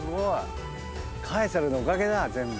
カエサルのおかげだ全部。